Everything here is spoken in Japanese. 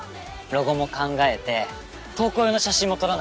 ロゴも考えて投稿用の写真も撮らないと。